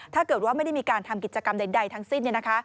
ถ้าเกิดว่าไม่ได้มีการทำกิจกรรมใดทั้งสิ้น